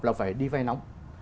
là phải đi vay nóng